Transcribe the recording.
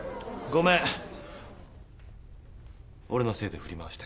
俺のせいで振り回して。